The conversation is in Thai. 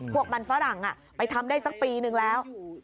พวกมันฝรั่งไปทำได้สักปีนึงแล้ว